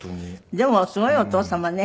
でもすごいお父様ね。